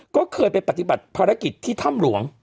ก็เคยไปปฏิบัติภารกิจที่ถ้ำหลวง